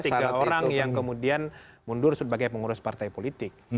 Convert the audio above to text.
sekitar dua ratus tiga orang yang kemudian mundur sebagai pengurus partai politik